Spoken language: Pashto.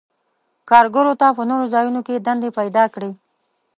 کارګرو ته په نورو ځایونو کې دندې پیداکړي.